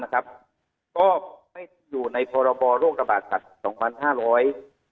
ก็ไม่อยู่ในพบโรคระบาดศัตริย์๒๕๕๘